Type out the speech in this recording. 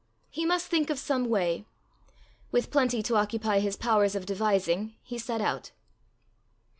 He must think of some way. With plenty to occupy his powers of devising, he set out.